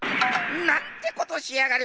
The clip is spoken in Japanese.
なんてことしやがる！